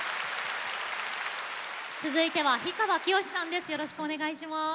続いては氷川きよしさんです。